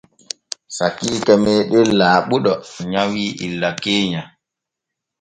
Sakiike meeɗen Laaɓuɗo nyawi illa keenya.